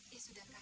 ya sudah kan